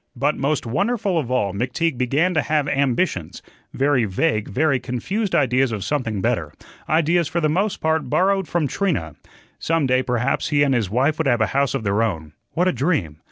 But most wonderful of all, McTeague began to have ambitions very vague, very confused ideas of something better ideas for the most part borrowed from Trina. Some day, perhaps, he and his wife would have a house of their own. What a dream!